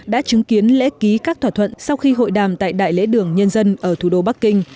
đã chứng kiến lễ ký các thỏa thuận sau khi hội đàm tại đại lễ đường nhân dân ở thủ đô bắc kinh